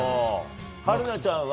春奈ちゃんは？